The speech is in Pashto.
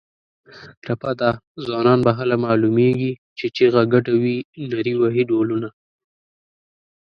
ټپه ده: ځوانان به هله معلومېږي چې چیغه ګډه وي نري وهي ډولونه